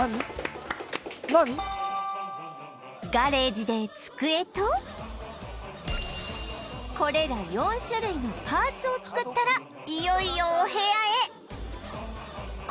ガレージで机とこれら４種類のパーツを作ったらいよいよお部屋へ！